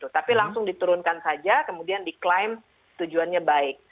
tapi langsung diturunkan saja kemudian diklaim tujuannya baik